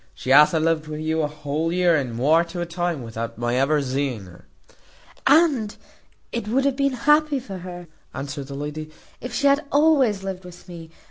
She hath a lived wi' you a whole year and muore to a time, without my ever zeeing her." "And it would have been happy for her," answered the lady, "if she had always lived with me.